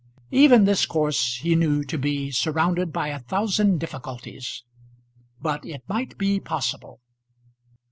Even this course he knew to be surrounded by a thousand difficulties; but it might be possible.